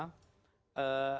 ada ketakutan memang